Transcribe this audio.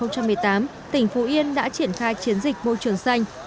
năm hai nghìn một mươi tám tỉnh phú yên đã triển khai chiến dịch môi trường xanh